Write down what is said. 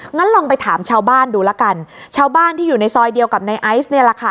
งั้นลองไปถามชาวบ้านดูละกันชาวบ้านที่อยู่ในซอยเดียวกับในไอซ์เนี่ยแหละค่ะ